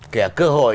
kẻ cơ hội